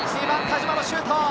２番、田島のシュート。